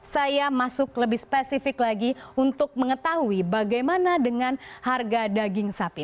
saya masuk lebih spesifik lagi untuk mengetahui bagaimana dengan harga daging sapi